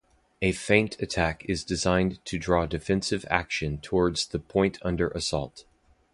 A feint attack is designed to draw defensive action towards the point under assault.